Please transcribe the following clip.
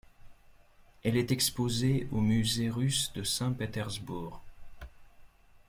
Elle est exposée au Musée russe de Saint-Pétersbourg.